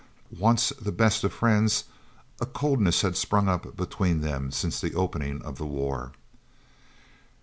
Once the best of friends, a coldness had sprung up between them since the opening of the war.